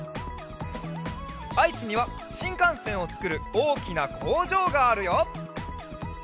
あいちにはしんかんせんをつくるおおきなこうじょうがあるよ。